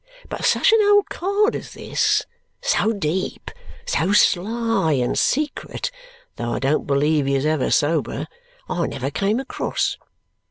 But such an old card as this, so deep, so sly, and secret (though I don't believe he is ever sober), I never came across.